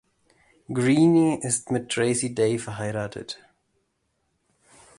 Greene ist mit Tracy Day verheiratet.